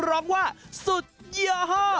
ร้องว่าสุดเยห่อ